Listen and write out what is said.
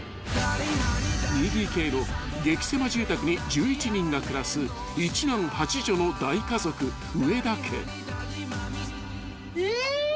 ［２ＤＫの激狭住宅に１１人が暮らす１男８女の大家族上田家］え！？